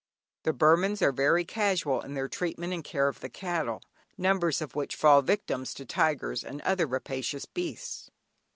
The Burmans are very casual in their treatment and care of the cattle, numbers of which fall victims to tigers and other rapacious beasts.